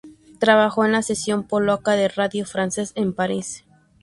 Trabajó en la sección polaca de Radio France en París.